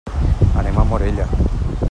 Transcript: Anem a Morella.